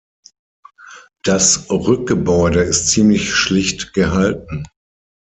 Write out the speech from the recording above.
Das Rückgebäude ist ziemlich schlicht gehalten.